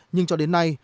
nhưng cho đến nay